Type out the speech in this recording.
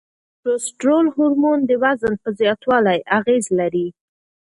کورتسول هورمون د وزن په زیاتوالي اغیز لري.